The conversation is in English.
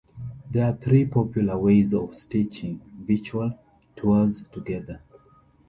There are three popular ways of "stitching" virtual tours together.